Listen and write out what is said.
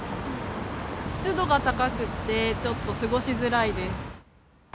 湿度が高くって、ちょっと過ごしづらいです。